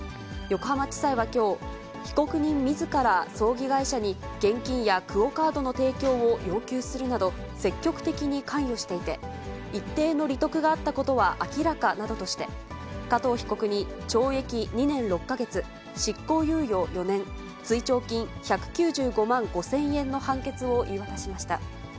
横浜地裁はきょう、被告人みずから葬儀会社に、現金やクオカードの提供を要求するなど、積極的に関与していて、一定の利得があったことは明らかなどとして、加藤被告に、懲役２年６か月、執行猶予４年、追徴金１９５万５０００円の判決を言い渡しました。